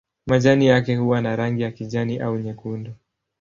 Majani yake huwa na rangi ya kijani au nyekundu.